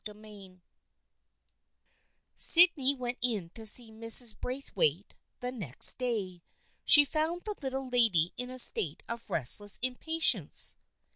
CHAPTER XX YDNEY went in to see Mrs. Braithwaite the O next day. She found the Little Lady in a state of restless impatience.